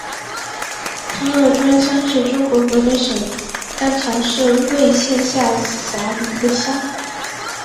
张二庄乡是中国河北省邯郸市魏县下辖的一个乡。